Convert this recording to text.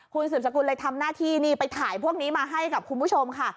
คุณสืบสกุลเลยทำหน้าที่นี่ไปถ่ายพวกนี้มาให้กับคุณผู้ชมค่ะ